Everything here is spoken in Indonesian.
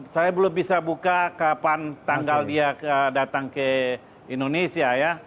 saya belum bisa buka kapan tanggal dia datang ke indonesia ya